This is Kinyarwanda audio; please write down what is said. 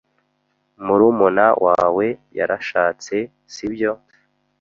Murumuna wawe yarashatse, sibyo?